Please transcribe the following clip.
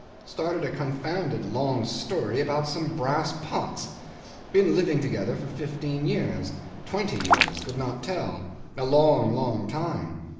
Started a confounded long story about some brass pots. Been living together for fifteen years twenty years could not tell. A long, long time.